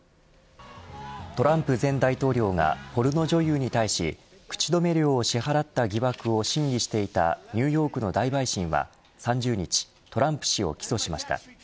トランプ前大統領がポルノ女優に対し口止め料を支払った疑惑を審理していたニューヨークの大陪審は３０日トランプ氏を起訴しました。